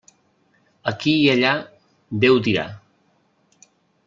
Aquí i allà, Déu dirà.